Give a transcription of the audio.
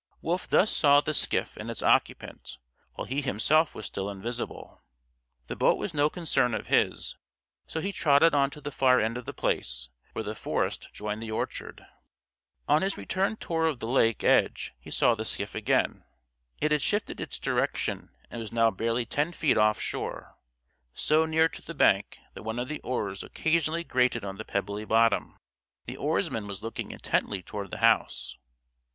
Wolf thus saw the skiff and its occupant, while he himself was still invisible. The boat was no concern of his; so he trotted on to the far end of The Place, where the forest joined the orchard. On his return tour of the lake edge he saw the skiff again. It had shifted its direction and was now barely ten feet off shore so near to the bank that one of the oars occasionally grated on the pebbly bottom. The oarsman was looking intently toward the house.